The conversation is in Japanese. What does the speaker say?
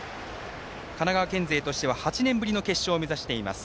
神奈川県勢としては８年ぶりの決勝進出を目指しています。